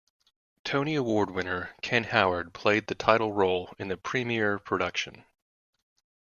Tony Award winner Ken Howard played the title role in the premiere production.